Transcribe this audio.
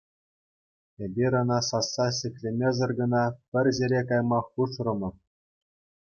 Эпир ӑна сасса ҫӗклемесӗр кӑна пӗр ҫӗре кайма хушрӑмӑр.